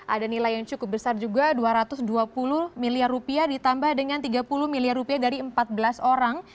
ada nilai yang cukup besar juga dua ratus dua puluh miliar rupiah ditambah dengan tiga puluh miliar rupiah dari empat belas orang